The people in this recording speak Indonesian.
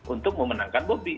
untuk memenangkan bobby